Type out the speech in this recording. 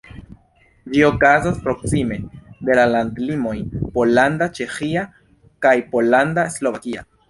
Ĝi okazas proksime de la landlimoj Pollanda-Ĉeĥia kaj Pollanda-Slovakia.